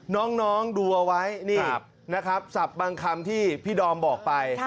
น้องดูเอาไว้นี่นะครับศัพท์บางคำที่พี่ดอมบอกไป